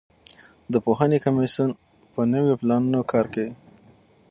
د پوهنې کمیسیون په نویو پلانونو کار کوي.